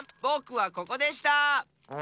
ぼくはここでした！